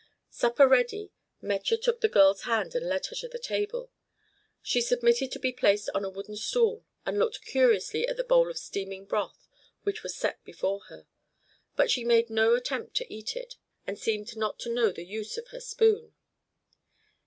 Supper ready, Metje took the girl's hand and led her to the table. She submitted to be placed on a wooden stool, and looked curiously at the bowl of steaming broth which was set before her; but she made no attempt to eat it, and seemed not to know the use of her spoon.